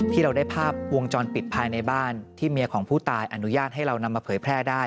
ที่เราได้ภาพวงจรปิดภายในบ้านที่เมียของผู้ตายอนุญาตให้เรานำมาเผยแพร่ได้